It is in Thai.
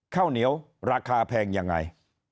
ข้าวเหนียวราคาแพงยังไง